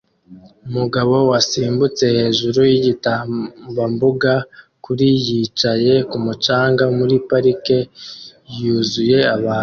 Umugabo wasimbutse hejuru yigitambambuga kuri yicaye kumu canga muri parike yuzuye abantu